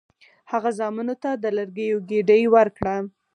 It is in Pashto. هغه زامنو ته د لرګیو ګېډۍ ورکړه.